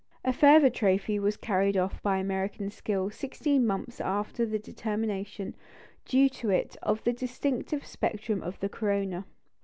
A further trophy was carried off by American skill sixteen months after the determination due to it of the distinctive spectrum of the corona.